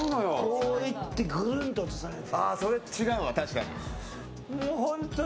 こういってぐるんとされて。